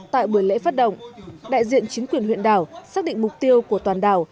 tại buổi lễ phát động đại diện chính quyền huyện đảo xác định mục tiêu của toàn đảo